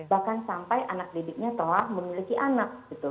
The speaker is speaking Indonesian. bahkan sampai anak didiknya telah memiliki anak gitu